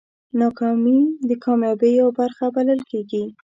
ناکامي د کامیابۍ یوه برخه بلل کېږي.